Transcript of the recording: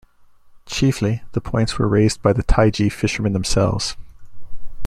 Chiefly the points were raised by the Taiji fishermen themselves.